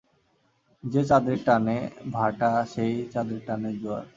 যে চাঁদের টানে ভাঁটা সেই চাঁদের টানেই জোয়ার।